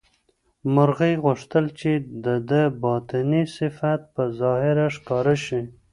مرغۍ غوښتل چې د ده باطني صفت په ظاهر ښکاره شي.